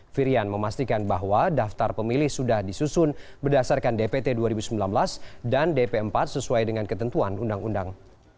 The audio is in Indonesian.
firian memastikan bahwa daftar pemilih sudah disusun berdasarkan dpt dua ribu sembilan belas dan dp empat sesuai dengan ketentuan undang undang